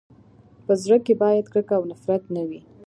په زړه کي باید کرکه او نفرت نه وي.